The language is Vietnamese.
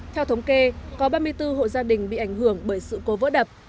theo thống kê có ba mươi bốn hộ gia đình bị ảnh hưởng bởi sự cố vỡ đập